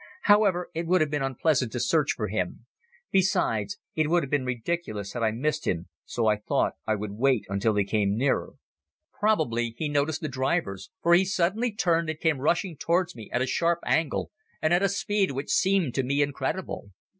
However, it would have been unpleasant to search for him. Besides it would have been ridiculous had I missed him, so I thought I would wait until he came nearer. Probably he noticed the drivers for he suddenly turned and came rushing towards me at a sharp angle and at a speed which seemed to me incredible.